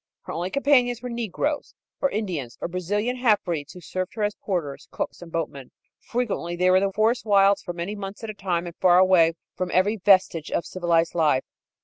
Her only companions were negroes, or Indians, or Brazilian halfbreeds who served her as porters, cooks and boatmen. Frequently they were in the forest wilds for many months at a time and far away from every vestige of civilized life.